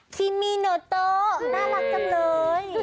คีมีโนโตน่ารักจังเลย